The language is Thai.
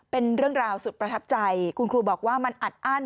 เป็นเรื่องราวสุดประทับใจคุณครูบอกว่ามันอัดอั้น